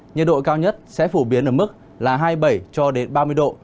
nhiệt độ cao nhất sẽ phổ biến ở mức là hai mươi bảy cho đến ba mươi độ